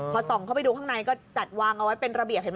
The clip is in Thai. พอส่องเข้าไปดูข้างในก็จัดวางเอาไว้เป็นระเบียบเห็นไหม